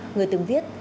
người từng viết